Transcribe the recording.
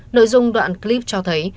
nội dung đoạn clip cho thấy